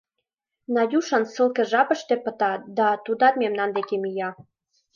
Надюшан ссылке жапше пыта да тудат мемнан деке мия.